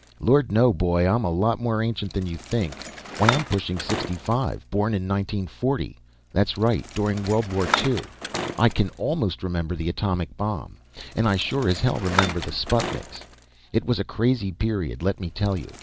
"Lord, no, boy! I'm a lot more ancient than you think. Why, I'm pushing sixty five. Born in 1940. That's right, during World War II. I can almost remember the atomic bomb, and I sure as hell remember the sputniks. It was a crazy period, let me tell you.